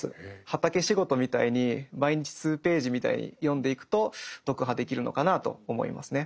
畑仕事みたいに毎日数ページみたいに読んでいくと読破できるのかなと思いますね。